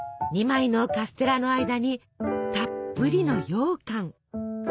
２枚のカステラの間にたっぷりのようかん。